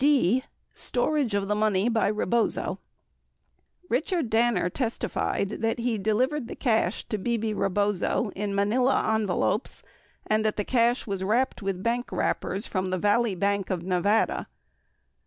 D. Storage of the Money by Rebozo Richard Danner testified that he delivered the cash to Bebe Rebozo in manila envelopes and that the cash was Wrapped with bank wrappers from the Valley Bank of Nevada.